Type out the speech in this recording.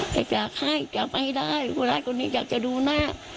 แต่จากให้จากไปได้รักคนนี้จากจะดูหน้า